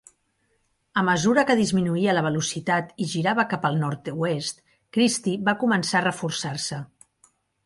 A mesura que disminuïa la velocitat i girava cap al nord-oest, Kristy va començar a reforçar-se.